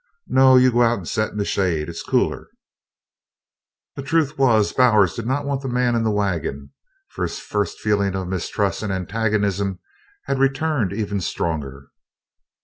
"No, you go out and set in the shade it's cooler." The truth was, Bowers did not want the man in the wagon, for his first feeling of mistrust and antagonism had returned even stronger.